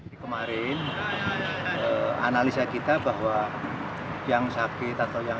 di kemarin analisa kita bahwa yang sakit atau yang